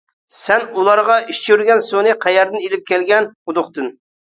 -سەن ئۇلارغا ئىچۈرگەن سۇنى قەيەردىن ئىلىپ كەلگەن؟ -قۇدۇقتىن.